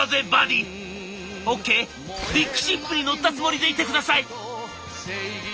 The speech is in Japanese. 「オーケー！ビッグシップに乗ったつもりでいてください」。